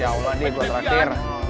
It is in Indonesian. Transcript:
insya allah deh gue terakhir